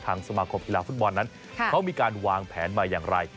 สมาคมกีฬาฟุตบอลนั้นเขามีการวางแผนมาอย่างไร